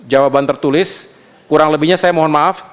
jawaban tertulis kurang lebihnya saya mohon maaf